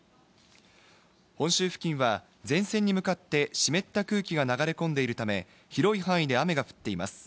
本州付近は前線に向かって湿った空気が流れ込んでいるため、広い範囲で雨が降っています。